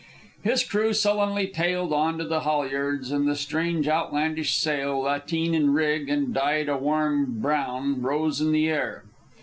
His crew sullenly tailed on to the halyards, and the strange, outlandish sail, lateen in rig and dyed a warm brown, rose in the air.